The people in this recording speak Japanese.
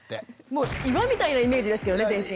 もう岩みたいなイメージですけどね全身。